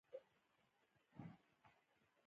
زه او اکبر جان به وګرځو را وګرځو.